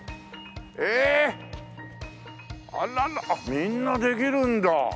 みんなできるんだ。